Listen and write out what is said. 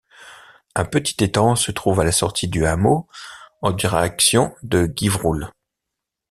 Un petit étang se trouve à la sortie du hameau en direction de Givroulle.